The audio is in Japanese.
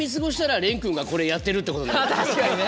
確かにね。